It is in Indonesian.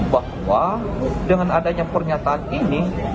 bahwa dengan adanya pernyataan ini